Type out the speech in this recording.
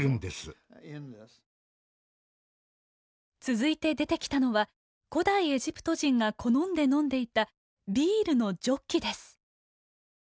続いて出てきたのは古代エジプト人が好んで飲んでいたビールのジョッキです。